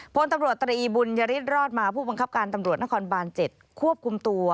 พลตำรวจตรีบุญยฤทธรอดมาผู้บังคับการตำรวจนครบาน๗ควบคุมตัว